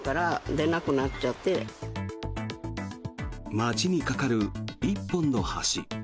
町に架かる１本の橋。